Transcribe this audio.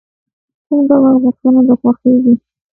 کوم ډول غوښه د خوښیږی؟